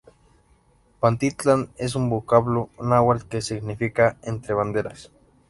Pantitlán es un vocablo náhuatl que significa: entre banderas.